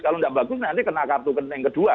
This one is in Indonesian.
kalau tidak bagus nanti kena kartu kening kedua